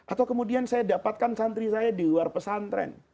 atau kemudian saya dapatkan santri saya di luar pesantren